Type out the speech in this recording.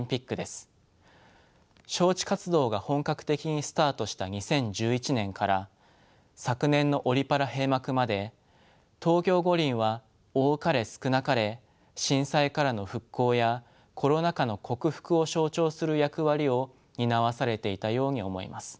招致活動が本格的にスタートした２０１１年から昨年のオリ・パラ閉幕まで東京五輪は多かれ少なかれ「震災からの復興」や「コロナ禍の克服」を象徴する役割を担わされていたように思います。